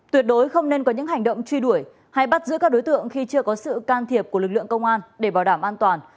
tuyệt đối không nên có những hành động truy đuổi hay bắt giữ các đối tượng khi chưa có sự can thiệp của lực lượng công an để bảo đảm an toàn